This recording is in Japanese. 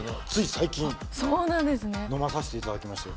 最近飲まさせていただきましたよ。